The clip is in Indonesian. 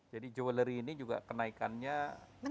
jadi jewelry ini juga kenaikannya cukup besar